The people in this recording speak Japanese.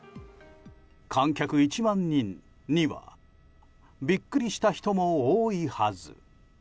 観客１万人にはビックリした人も多いはず。